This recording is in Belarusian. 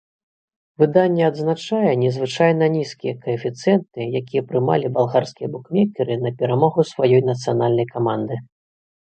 Выданне адзначае незвычайна нізкія каэфіцыенты, якія прымалі балгарскія букмекеры на перамогу сваёй нацыянальнай каманды.